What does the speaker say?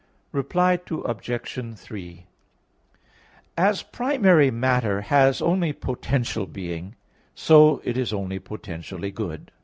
Reply Obj. 3: As primary matter has only potential being, so it is only potentially good.